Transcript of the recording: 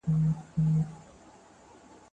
هغه غوښتل چې انساني ارزښتونه خلکو ته وښيي.